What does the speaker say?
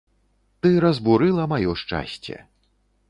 Ты разбурыла маё шчасце.